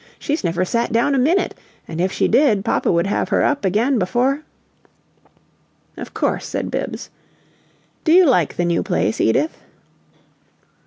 She's never sat down a MINUTE; and if she did, papa would have her up again before " "Of course," said Bibbs. "Do you like the new place, Edith?"